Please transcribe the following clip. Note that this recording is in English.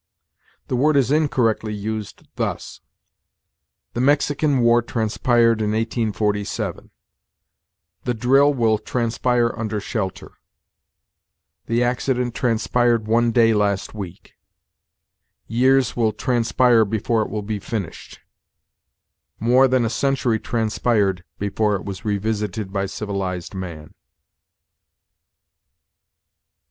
The word is incorrectly used thus: "The Mexican war transpired in 1847"; "The drill will transpire under shelter"; "The accident transpired one day last week"; "Years will transpire before it will be finished"; "More than a century transpired before it was revisited by civilized man."